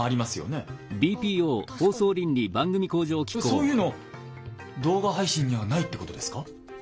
そういうの動画配信にはないってことですか？